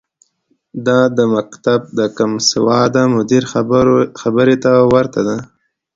دا د مکتب د کمسواده مدیر خبرې ته ورته ده.